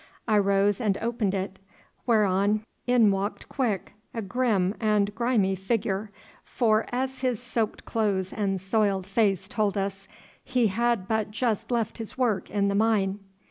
I rose and opened it, whereon in walked Quick, a grim and grimy figure, for, as his soaked clothes and soiled face told us, he had but just left his work in the mine.